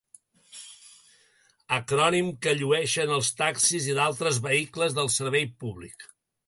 Acrònim que llueixen els taxis i d'altres vehicles de servei públic.